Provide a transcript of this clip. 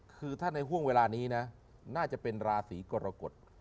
คือถ้าในห่วงเวลานี้นะน่าจะเป็นราศีกรกฎ